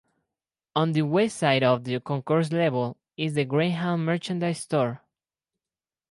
On the west side of the concourse level is the Greyhound merchandise store.